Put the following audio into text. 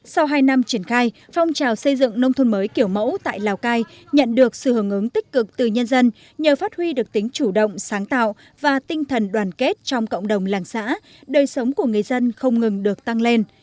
sau hai năm triển khai phong trào xây dựng nông thôn mới kiểu mẫu tại lào cai nhận được sự hưởng ứng tích cực từ nhân dân nhờ phát huy được tính chủ động sáng tạo và tinh thần đoàn kết trong cộng đồng làng xã đời sống của người dân không ngừng được tăng lên